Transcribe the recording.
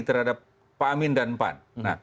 terhadap pak amin dan pan